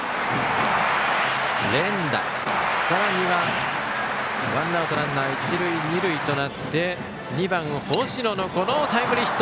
連打、さらにはワンアウトランナー、一塁二塁となって２番、星野のタイムリーヒット。